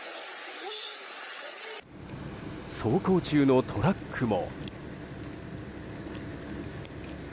走行中のトラックも。